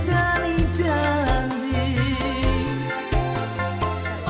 jangan pernah malu